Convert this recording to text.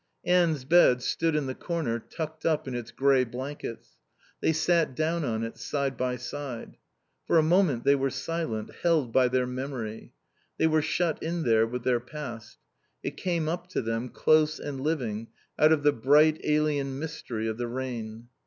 Anne's bed stood in the corner tucked up in its grey blankets. They sat down on it side by side. For a moment they were silent, held by their memory. They were shut in there with their past. It came up to them, close and living, out of the bright, alien mystery of the rain.